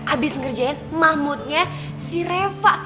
abis ngerjain mahmudnya si reva